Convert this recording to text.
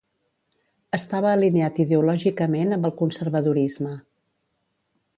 Estava alineat ideològicament amb el conservadorisme.